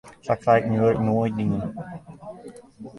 Sa krij ik myn wurk nea dien.